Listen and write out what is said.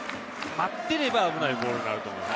待っていれば危ないボールになると思います。